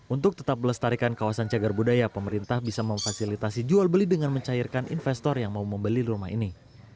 untuk tetap melestarikan kawasan cagar budaya pemerintah bisa memfasilitasi jual beli dengan mencairkan investor yang mau membeli rumah ini